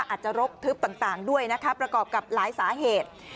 อาจจะรกทึบต่างด้วยนะคะประกอบกับหลายสาเหตุ